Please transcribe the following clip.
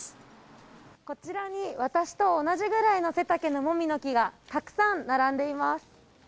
こちらに私と同じぐらいの背丈のもみの木がたくさん並んでいます。